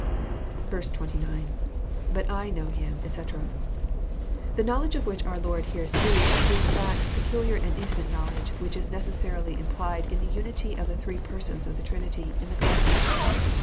89.— [ Bm« I know him, etc,'] The knowledge of which our Lord here speaks, is that peculiar and intimate knowledge which is necessarily implied in the unity of the three Persons of the Trinity, in the Godhead.